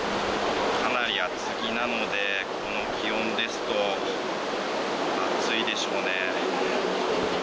かなり厚着なのでこの気温ですと暑いでしょうね。